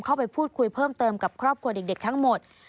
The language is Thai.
เข้าไปพูดคุยเพิ่มเติมกับครอบครัวเด็กทั้งหมด